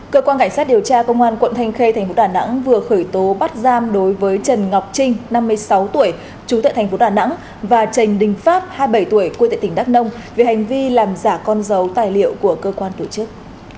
cơ quan cảnh sát điều tra công an quận thanh khê thành phố đà nẵng vừa khởi tố bắt giam đối với trần ngọc trinh năm mươi sáu tuổi trú tại thành phố đà nẵng và trần đình pháp hai mươi bảy tuổi quê tại tỉnh đắk nông về hành vi làm giả con dấu tài liệu của cơ quan tổ chức